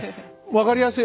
分かりやすい。